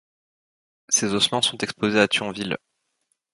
Ces ossements sont exposés à Thionville.